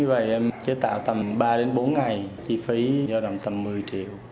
rồi em chế tạo tầm ba đến bốn ngày chi phí do đồng tầm một mươi triệu